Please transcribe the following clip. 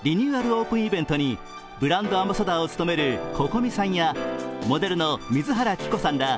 オープンイベントにブランドアンバサダーを務めるＣｏｃｏｍｉさんやモデルの水原希子さんら